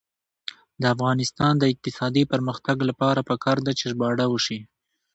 د افغانستان د اقتصادي پرمختګ لپاره پکار ده چې ژباړه وشي.